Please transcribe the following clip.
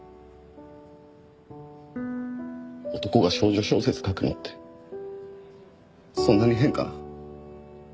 男が少女小説書くのってそんなに変かな？